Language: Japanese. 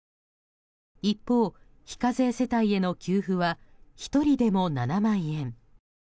一方、非課税世帯への給付は１人でも７万円。